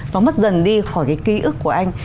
nó mất dần đi khỏi cái ký ức của anh